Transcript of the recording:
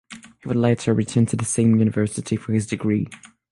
He would later return to the same university for his Degree.